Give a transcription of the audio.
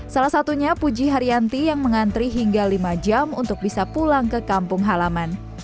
salah satunya puji haryanti yang mengantri hingga lima jam untuk bisa pulang ke kampung halaman